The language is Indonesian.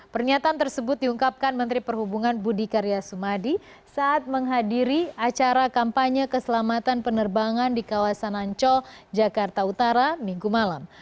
pernyataan tersebut diungkapkan menteri perhubungan budi karya sumadi saat menghadiri acara kampanye keselamatan penerbangan di kawasan ancol jakarta utara minggu malam